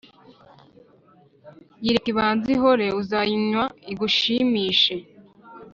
yireke ibanze ihore, uzayinywa igushimishe!